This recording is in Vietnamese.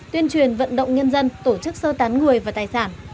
tuyên truyền vận động nhân dân tổ chức sơ tán người và tài sản